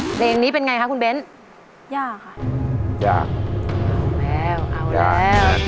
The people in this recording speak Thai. เพลงนี้เป็นไงคะคุณเบ้นยากค่ะยากเอาแล้วเอาแล้ว